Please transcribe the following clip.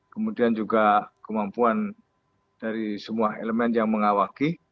kemudian juga kemampuan dari semua elemen yang mengawaki